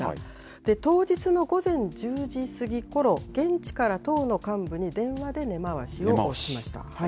で、当日の午前１０時過ぎころ現地から党の幹部に電話で根回しをしました。